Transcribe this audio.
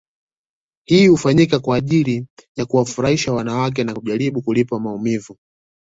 Hii hufanyika kwa ajili ya kuwafurahisha wanawake na kujaribu kulipia maumivu